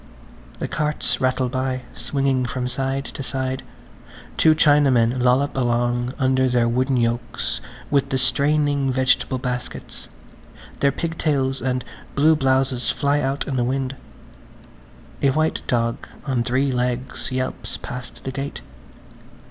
The carts rattle by, swinging from side to side; two Chinamen lollop along under their wooden yokes with the straining vegetable baskets–their pigtails and blue blouses fly out in the wind. A white dog on three legs yelps past the gate.